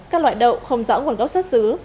các loại đậu không rõ nguồn gốc xuất xứ